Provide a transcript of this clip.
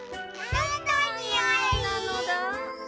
なんのにおいなのだ？